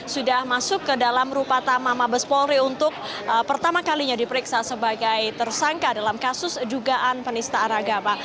sudah masuk ke dalam rupata mabes polri untuk pertama kalinya diperiksa sebagai tersangka dalam kasus dugaan penistaan agama